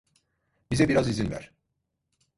Bize biraz izin ver.